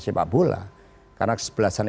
siapapula karena kesebelasan